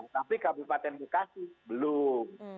tapi kabupaten bekasi belum